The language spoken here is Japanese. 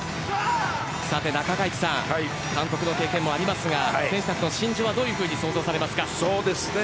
中垣内さん監督の決定もありますが選手たちの心情はどう想像されますか？